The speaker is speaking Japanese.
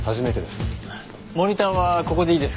モニターはここでいいですか？